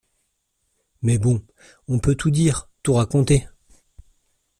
Mais bon, on peut tout dire, tout raconter.